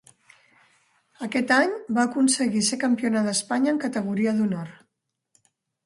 Aquest any va aconseguir ser campiona d'Espanya en categoria d'honor.